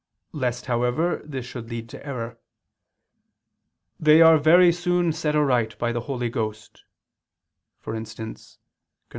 Lest, however, this should lead to error, "they are very soon set aright by the Holy Ghost [*For instance, cf.